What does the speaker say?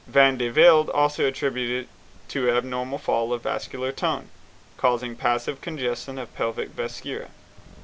Van de Velde also attributes it to an abnormal fall of vascular tone, causing passive congestion of the pelvic viscera.